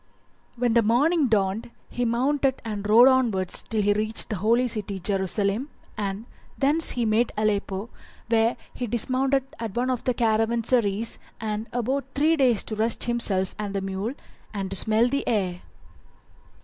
When morning dawned he mounted and rode onward till he reached the Holy City, [FN#377] Jerusalem, and thence he made Aleppo, where he dismounted at one of the caravanserais and abode three days to rest himself and the mule and to smell the air.